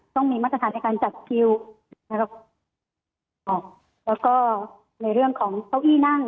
ต้องมีมาตรฐานในการจัดคิวนะครับออกแล้วก็ในเรื่องของเก้าอี้นั่ง